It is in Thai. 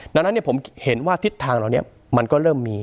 ดังนั้นผมเห็นว่าทิศทางเหล่านี้มันก็เริ่มมี